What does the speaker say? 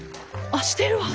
あしてるわ！